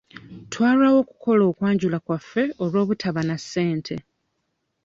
Twalwawo okukola okwanjula kwaffe olw'obutaba na ssente.